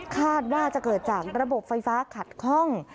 คาดว่าจะเกิดจากระบบไฟฟ้าขัดคล่อง